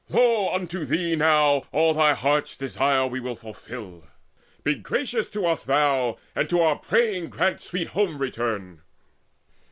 Lo, unto thee now all thine heart's desire Will we fulfil. Be gracious to us thou, And to our praying grant sweet home return."